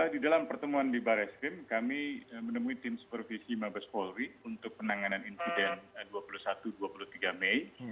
di dalam pertemuan di barreskrim kami menemui tim supervisi mabes polri untuk penanganan insiden dua puluh satu dua puluh tiga mei